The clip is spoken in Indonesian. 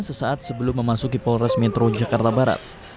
sesaat sebelum memasuki polres metro jakarta barat